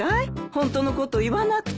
ホントのこと言わなくて。